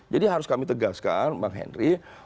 jadi harus kami tegaskan bang henry